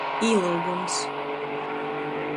Īlyugums.